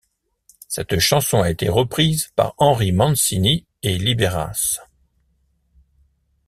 Cette chanson a été reprise par Henry Mancini et Liberace.